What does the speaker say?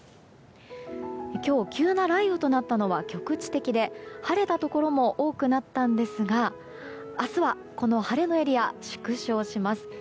今日、急な雷雨となったのは局地的で晴れたところも多くなったんですが明日は、この晴れのエリア縮小します。